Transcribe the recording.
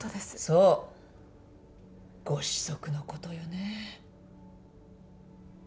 そうご子息のことよね。